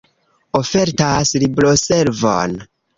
Ofertas libroservon.